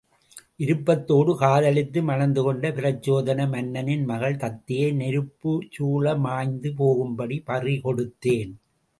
விருப்பத்தோடு காதலித்து மணந்துகொண்ட பிரச்சோதன மன்னனின் மகள் தத்தையை நெருப்புசூழ மாய்ந்து போகும்படி பறிகொடுத்தேன்!